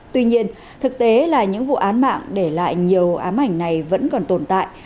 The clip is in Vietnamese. tuy nhiên thực tế là những vụ án mạng để lại nhiều ám ảnh này vẫn còn tồn tại